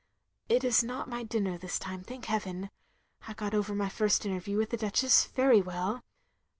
... It is not my dinner this time, thank heaven. ... I got over my first interview with the Duchess very well.